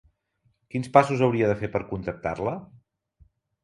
Quins passos hauria de fer per contractar-la?